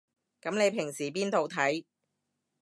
噉你平時邊度睇